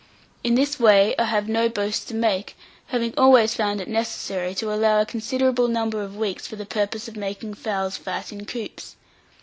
In this way I have no boasts to make, having always found it necessary to allow a considerable number of weeks for the purpose of making fowls fat in coops.